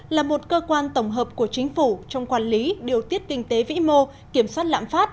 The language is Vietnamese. là một cơ quan tổng hợp của chính phủ trong quản lý điều tiết kinh tế vĩ mô kiểm soát lãm phát